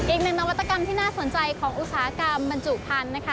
อีกหนึ่งนวัตกรรมที่น่าสนใจของอุตสาหกรรมมันจุภัณฑ์